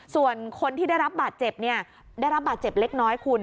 ส่วนคนที่ได้รับบาดเจ็บเนี่ยได้รับบาดเจ็บเล็กน้อยคุณ